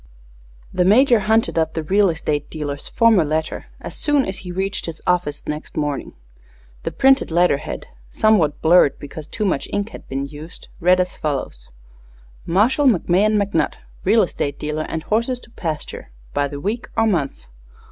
The Major hunted up the real estate dealer's former letter as soon as he reached his office next morning. The printed letter head, somewhat blurred, because too much ink had been used, read as follows: Marshall McMahon McNutt, Real Estate Dealer & Horses to Pasture by the week or month.